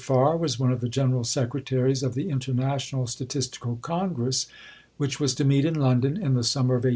Farr was one of the General Secretaries of the International Statistical Congress which was to meet in London in the summer of 1860.